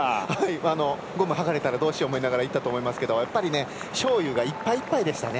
ゴム剥がれたらどうしよう思いながらいったと思いますけどやっぱり章勇がいっぱいいっぱいでしたね。